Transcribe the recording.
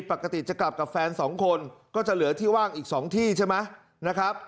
ปกติจะกลับกับแฟนสองคนก็จะเหลือที่ว่างอีก๒ที่ใช่ไหมนะครับ